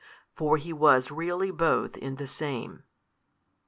For He was really both in the same.